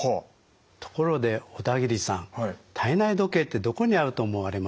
ところで小田切さん体内時計ってどこにあると思われます？